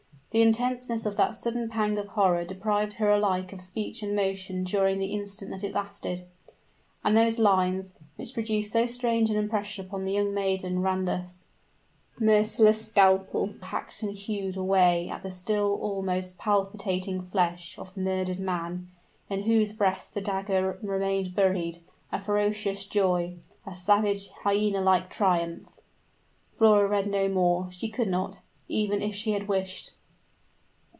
The intenseness of that sudden pang of horror deprived her alike of speech and motion during the instant that it lasted. And those lines, which produced so strange an impression upon the young maiden, ran thus: "merciless scalpel hacked and hewed away at the still almost palpitating flesh of the murdered man, in whose breast the dagger remained buried a ferocious joy a savage hyena like triumph " Flora read no more; she could not even if she had wished.